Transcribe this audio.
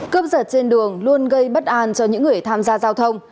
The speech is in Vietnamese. cướp giật trên đường luôn gây bất an cho những người tham gia giao thông